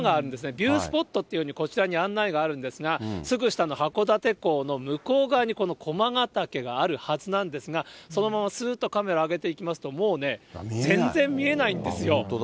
ビュースポットっていうようにこちらに案内があるんですが、すぐ下の函館港の向こう側にこの駒ヶ岳があるはずなんですが、そのまますーっとカメラ上げていきますと、もうね、全然見えないんですよ。